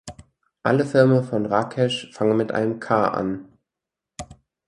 Alle Filme von Rakesh fangen mit einem "K" an.